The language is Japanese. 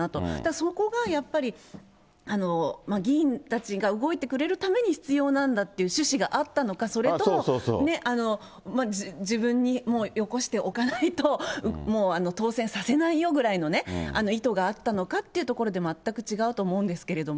そこがやっぱり、議員たちが動いてくれるために必要なんだっていう趣旨があったのか、それとも自分によこしておかないと、もう当選させないよぐらいの意図があったのかというところで全く違うと思うんですけれども。